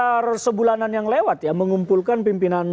kita sekitar sebulanan yang lewat ya mengumpulkan pimpinan daerah kita